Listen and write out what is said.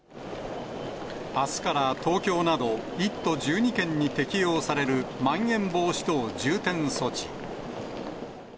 あすから東京など１都１２県に適用されるまん延防止等重点措置。